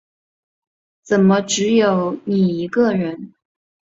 怎么只有你一个人